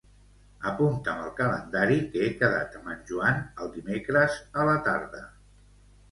Apunta'm al calendari que he quedat amb en Joan el dimecres a la tarda.